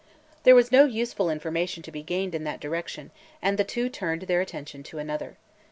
There was no useful information to be gained in that direction, and the two turned their attention to another.